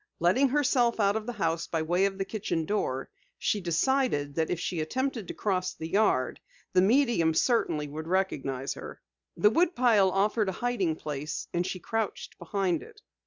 Letting herself out of the house by way of the kitchen door, she decided that if she attempted to cross the yard, the medium certainly would recognize her. The woodpile offered a hiding place and she crouched behind it.